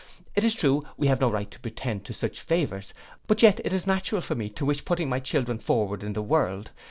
It is true, we have no right to pretend to such favours; but yet it is natural for me to wish putting my children forward in the world.